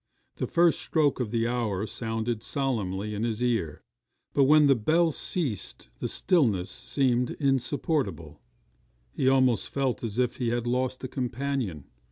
The first stroke of the hour sounded solemnly in his ear, but when the bell ceased the stillness seemed insupportable he almost felt as if he had lost a companion.